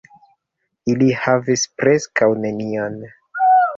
Ili havis preskaŭ nenion.